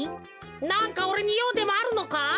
なんかおれにようでもあるのか？